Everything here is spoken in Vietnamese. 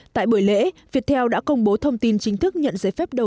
tại buổi lễ việt theo đã công bố thông tin chính thức nhận giấy phép đầu tư